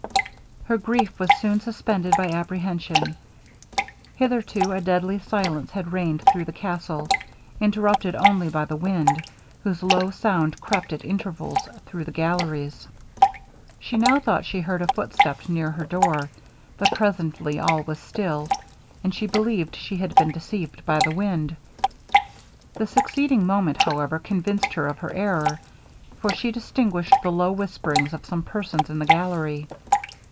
Her grief was soon suspended by apprehension. Hitherto a deadly silence had reigned through the castle, interrupted only by the wind, whose low sound crept at intervals through the galleries. She now thought she heard a footstep near her door, but presently all was still, for she believed she had been deceived by the wind. The succeeding moment, however, convinced her of her error, for she distinguished the low whisperings of some persons in the gallery.